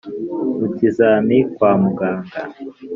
Mu kizami kwa Muganga